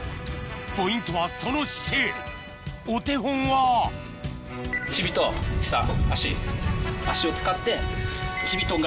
ポイントはその姿勢お手本はうわ！